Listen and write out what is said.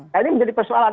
nah ini menjadi persoalan